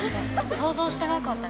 想像してなかった。